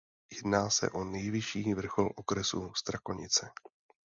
Jedná se o nejvyšší vrchol okresu Strakonice.